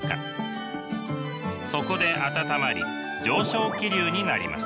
そこで暖まり上昇気流になります。